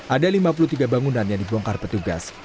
ada lima puluh tiga bangunan yang dibongkar petugas